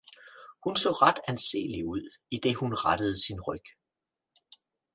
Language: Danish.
Hun så ret anselig ud, idet hun rettede sin ryg.